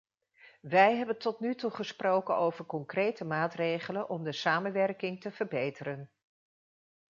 Wij hebben tot nu toe gesproken over concrete maatregelen om de samenwerking te verbeteren.